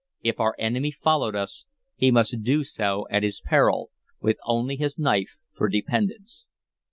If our enemy followed us, he must do so at his peril, with only his knife for dependence.